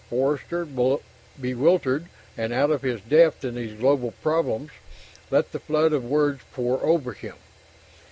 Forster, bewildered and out of his depth in these global problems, let the flood of words pour over him.